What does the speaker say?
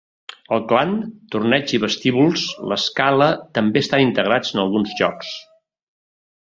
El clan, torneig i vestíbuls l'escala també estan integrats en alguns jocs.